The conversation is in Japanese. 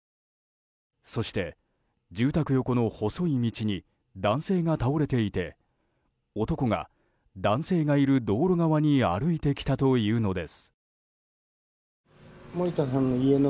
そして住宅横の細い道に男性が倒れていて男が男性がいる道路側に歩いてきたというのです。